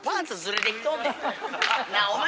なあお前